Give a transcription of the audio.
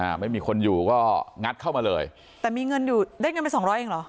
ไม่มีคนอยู่ก็งัดเข้ามาเลยแต่มีเงินอยู่ได้เงินไปสองร้อยเองเหรอ